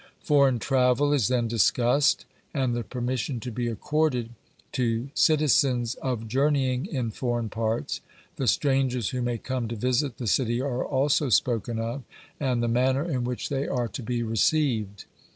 Foreign travel is then discussed, and the permission to be accorded to citizens of journeying in foreign parts; the strangers who may come to visit the city are also spoken of, and the manner in which they are to be received.